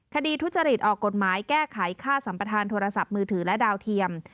ทุจริตออกกฎหมายแก้ไขค่าสัมประธานโทรศัพท์มือถือและดาวเทียม